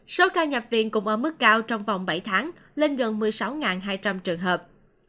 số ca nhập viện cũng ở mức cao trong vòng bảy tháng lên gần một mươi sáu hai trăm linh trường hợp